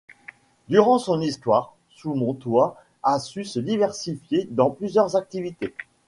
Durant son histoire, Sous Mon Toit a su se diversifier dans plusieurs activités.